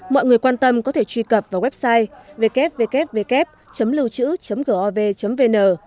mọi người quan tâm có thể truy cập vào website www luochữ gov vn